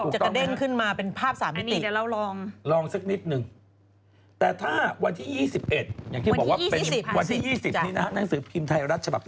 เห็นเท่าไทยรัฐ